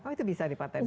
oh itu bisa dipatent kan